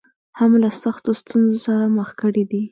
هم له سختو ستونزو سره مخ کړې دي.